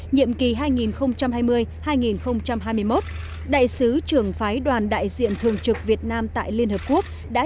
nhiệm kỳ hai nghìn hai mươi hai nghìn hai mươi một đại sứ trưởng phái đoàn đại diện thường trực việt nam tại liên hợp quốc đã